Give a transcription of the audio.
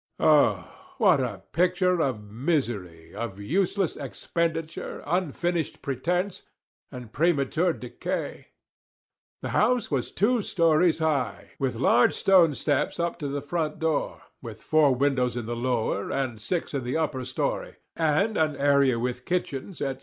Oh, what a picture of misery, of useless expenditure, unfinished pretence, and premature decay! The house was two stories high, with large stone steps up to the front door, with four windows in the lower, and six in the upper story, and an area with kitchens, &c.